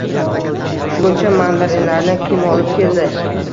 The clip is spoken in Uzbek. Buncha mandarinlarni kim olib keldi